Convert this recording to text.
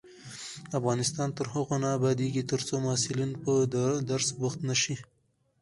افغانستان تر هغو نه ابادیږي، ترڅو محصلین په درس بوخت نشي.